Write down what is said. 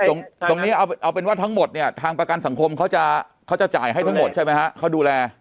ตรงนี้เอาเป็นว่าทั้งหมดเนี่ยทางประกันสังคมเขาจะจ่ายให้ทั้งหมดใช่ไหมฮะเขาดูแล